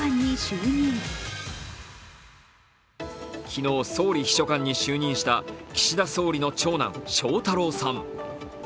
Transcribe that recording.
昨日、総理秘書官に就任した岸田総理の長男、翔太郎さん。